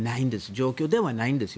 状況ではないんです。